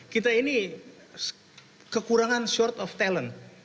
kita ini kekurangan short of talent